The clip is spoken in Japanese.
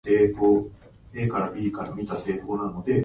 いいねーー最高です